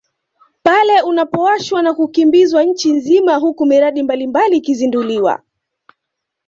Pale unapowashwa na kukimbizwa nchi nzima huku miradi mbalimbali ikizinduliwa